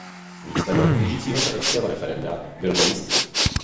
Výsledek blížícího se irského referenda byl nejistý.